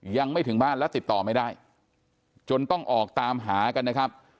ยังไม่ถึงบ้านแล้วติดต่อไม่ได้จนต้องออกตามหากันนะครับ